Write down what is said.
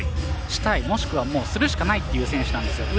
したい、もしくはするしかないという選手だと思うんです。